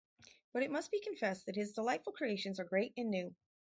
But it must be confessed that his delightful creations are great and new.